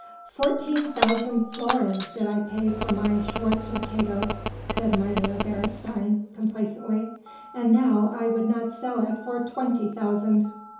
"Fourteen thousand florins did I pay for my 'Schwarzer Kato,'" said Mynheer Beresteyn complacently, "and now I would not sell it for twenty thousand."